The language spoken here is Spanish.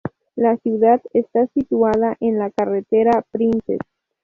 La ciudad está situada en la Carretera Princes.